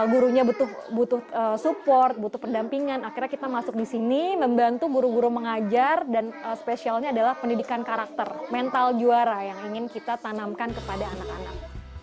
gurunya butuh support butuh pendampingan akhirnya kita masuk di sini membantu guru guru mengajar dan spesialnya adalah pendidikan karakter mental juara yang ingin kita tanamkan kepada anak anak